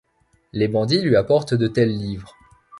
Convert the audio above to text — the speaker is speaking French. Les bandits lui apportent de tels livres.